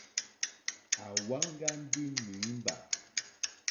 À wáŋɡà ndí nǐmbà.